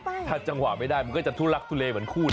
ถ้าจังหวะไม่ได้มันก็จะทุลักทุเลเหมือนคู่นะ